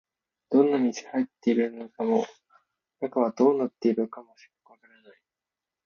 どんな店が入っているのかも、中がどうなっているのかもわからない